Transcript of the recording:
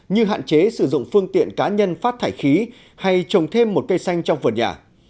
như hạn chế sử dụng phương tiện cá nhân phát thải khí hay trồng thêm một cây xanh trong vườn nhà